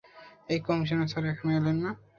এই commissioner sir এখনো এলেন না।